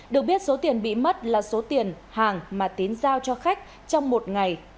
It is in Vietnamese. được biết số tiền bị mất là số tiền hàng mà tín giao cho khách trong một ngày